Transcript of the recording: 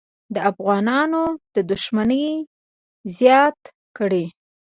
د افغانانو دښمني زیاته کړي.